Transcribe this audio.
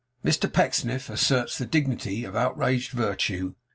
MR PECKSNIFF ASSERTS THE DIGNITY OF OUTRAGED VIRTUE.